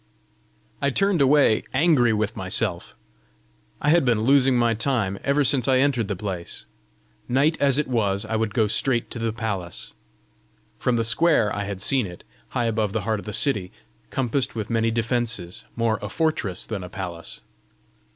I turned away angry with myself: I had been losing my time ever since I entered the place! night as it was I would go straight to the palace! From the square I had seen it high above the heart of the city, compassed with many defences, more a fortress than a palace!